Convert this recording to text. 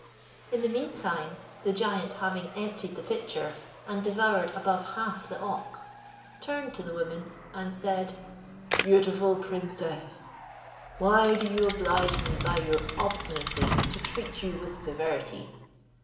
In the mean time, the giant having emptied the pitcher, and devoured above half the ox, turned to the woman and said, "Beautiful princess, why do you oblige me by your obstinacy to treat you with severity?